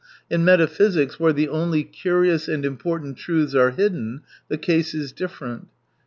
In metaphysics, where the only curious and important truths are hidden, the case is different.